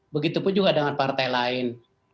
begitupun juga dengan partai lain